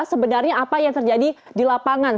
sebenarnya apa yang terjadi di lapangan